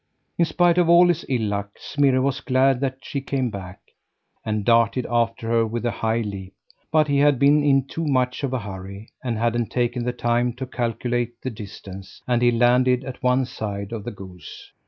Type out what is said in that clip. In spite of all his ill luck, Smirre was glad that she came back, and darted after her with a high leap. But he had been in too much of a hurry, and hadn't taken the time to calculate the distance, and he landed at one side of the goose.